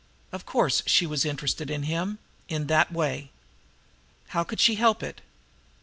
Of course, she was interested in him in that way. How could she help it?